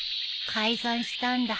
解散したんだ。